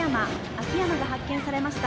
秋山が発見されました。